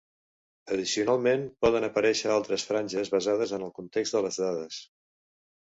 Addicionalment poden aparèixer altres franges basades en el context de les dades.